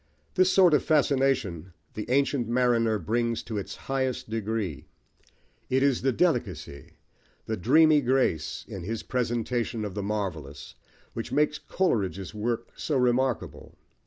This sort of fascination The Ancient Mariner brings to its highest degree: it is the delicacy, the dreamy grace, in his presentation of the marvellous, which makes Coleridge's work so remarkable.